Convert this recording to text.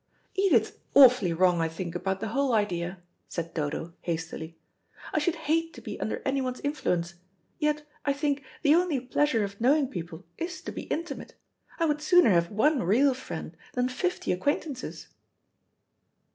"Edith's awfully wrong, I think, about the whole idea," said Dodo, hastily. "I should hate to be under anyone's influence; yet, I think, the only pleasure of knowing people is to be intimate. I would sooner have one real friend than fifty acquaintances."